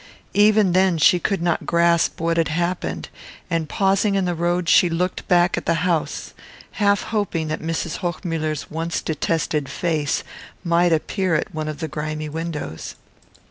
Even then she could not grasp what had happened, and pausing in the road she looked back at the house, half hoping that Mrs. Hochmuller's once detested face might appear at one of the grimy windows.